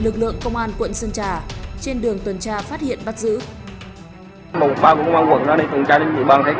lực lượng công an quận sơn trà trên đường tuần tra phát hiện bắt giữ